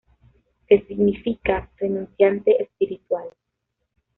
Que significa "Renunciante espiritual".